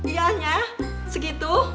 iya nyah segitu